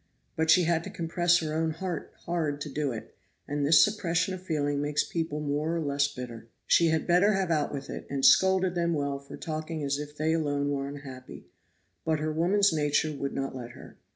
But she had to compress her own heart hard to do it; and this suppression of feeling makes people more or less bitter. She had better have out with it, and scolded them well for talking as if they alone were unhappy; but her woman's nature would not let her.